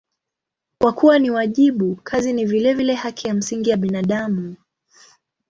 Kwa kuwa ni wajibu, kazi ni vilevile haki ya msingi ya binadamu.